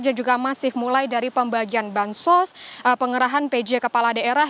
dan juga masih mulai dari pembagian bansos pengerahan pj kepala daerah